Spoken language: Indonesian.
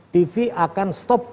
tv akan stop